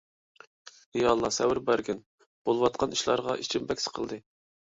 ئى ئاللاھ، سەۋر بەرگىن. بولۇۋاتقان ئىشلارغا ئىچىم بەك سىقىلدى.